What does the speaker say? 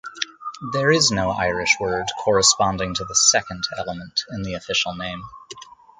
There is no Irish word corresponding to the second element in the official name.